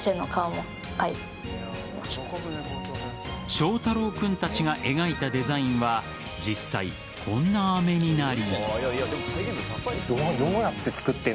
翔太楼君たちが描いたデザインは実際、こんな飴になり。